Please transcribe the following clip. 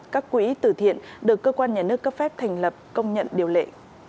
các quỹ tử thiện được cơ quan nhà nước cấp phép thành lập công nhận điều lệ